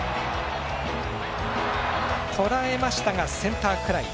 とらえましたが、センターフライ。